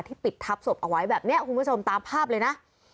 ปิดทับศพเอาไว้แบบนี้คุณผู้ชมตามภาพเลยนะ